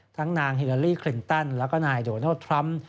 ทั้งนางฮิลาลี่คลินตันและนายโดนัลด์ทรัมป์